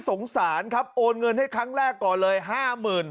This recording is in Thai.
สงสารครับโอนเงินให้ครั้งแรกก่อนเลยห้าหมื่น